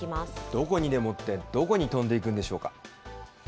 どこにでもって、どこに飛んでいくんでしょうか。